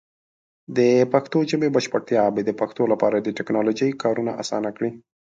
د پښتو ژبې بشپړتیا به د پښتنو لپاره د ټیکنالوجۍ کارونه اسان کړي.